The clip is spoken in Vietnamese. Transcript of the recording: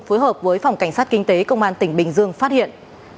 phối hợp với phòng cảnh sát kinh tế công an tỉnh bình dương phát hiện